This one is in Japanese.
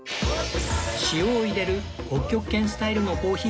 塩を入れる北極圏スタイルのコーヒー